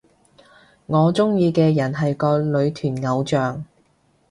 我鍾意嘅人係個女團偶像